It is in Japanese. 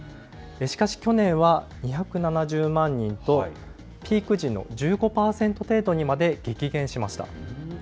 しかし、去年は２７０万人と、ピーク時の１５％程度にまで激減しました。